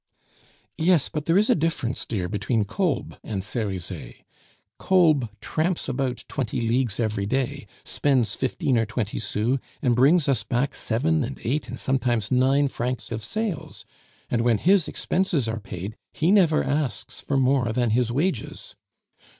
"Yes, but there is a difference, dear, between Kolb and Cerizet Kolb tramps about twenty leagues every day, spends fifteen or twenty sous, and brings us back seven and eight and sometimes nine francs of sales; and when his expenses are paid, he never asks for more than his wages.